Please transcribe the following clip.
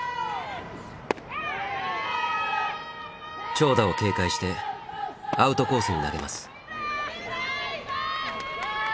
長打を警戒してアウトコースに投げます。